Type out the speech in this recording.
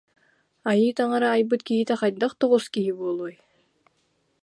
Айыы таҥара айбыт киһитэ хайдах тоҕус киһи буолуой